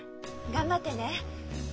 頑張ってね。